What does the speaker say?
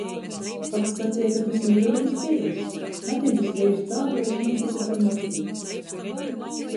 Paps saceja, ka tys nu gryutys dzeivis — Matiļdis veirs dzāruojs nūsasyta ar mocikletu.